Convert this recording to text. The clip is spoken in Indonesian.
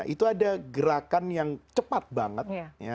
itu ada gerakan yang cepat banget